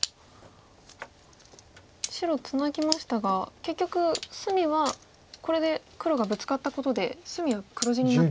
白ツナぎましたが結局隅はこれで黒がブツカったことで隅は黒地になったということですか。